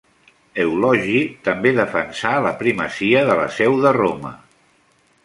Eulogi també defensà la primacia de la seu de Roma.